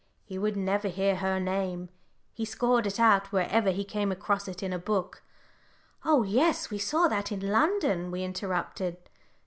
He would never hear her name he scored it out wherever he came across it in a book " "Oh, yes, we saw that in London," we interrupted.